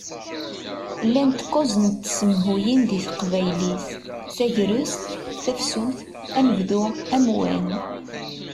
Llant kuẓ n tsemhuyin di teqbaylit: Tagrest, Tafsut, Anebdu, Amwan.